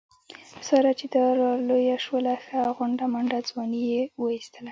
ساره چې را لویه شوله ښه غونډه منډه ځواني یې و ایستله.